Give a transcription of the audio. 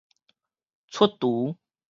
出櫥